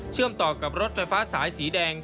เชื่อมต่อกับรถไฟฟ้าสายสีแดง